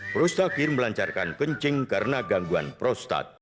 prostakir melancarkan kencing karena gangguan prostat